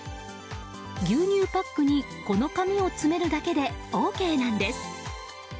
牛乳パックにこの紙を詰めるだけでＯＫなんです。